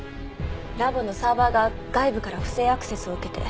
ラボのサーバーが外部から不正アクセスを受けて。